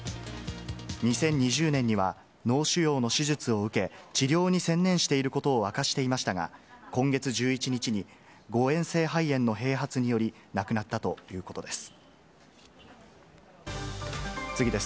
２０２０年には、脳腫瘍の手術を受け、治療に専念していることを明かしていましたが、今月１１日に誤嚥性肺炎の併発により、亡くなったということです。